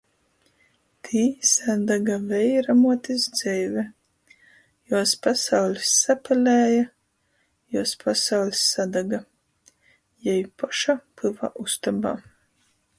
Tī sadaga veiramuotis dzeive. Juos pasauļs sapelēja, juos pasauļs sadaga. Jei poša pyva ustobā.